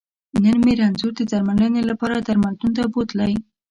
نن مې رنځور د درمنلې لپاره درملتون ته بوتلی